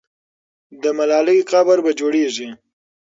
د ملالۍ قبر به جوړېږي.